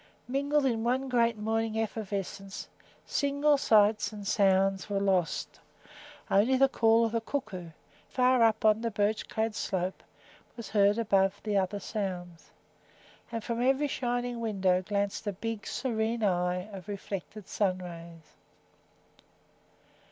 Mingled in one great morning effervescence, single sights and sounds were lost; only the call of the cuckoo, far up on the birch clad slope, was heard above the other sounds, and from every shining window glanced a big, serene eye of reflected sun rays.